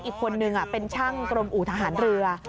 อีกคนนึงเป็นช่างกรมอู่ทหารเรือ